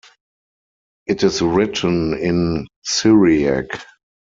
It is written in Syriac.